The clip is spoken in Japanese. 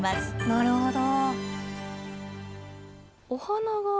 なるほど。